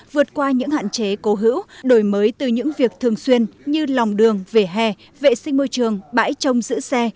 vượt qua những hạn chế cố hữu đổi mới từ những việc thường xuyên như lòng đường vỉa hè vệ sinh môi trường bãi trông giữ xe